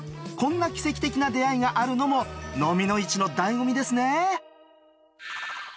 こんな奇跡的な出会いがあるのもノミの市のだいご味ですね。